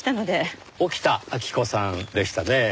沖田晃子さんでしたね。